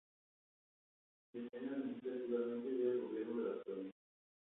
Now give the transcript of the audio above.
Depende administrativamente del gobierno de la provincia.